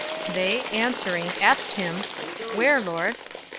"} 017:037 They answering, asked him, "Where, Lord?"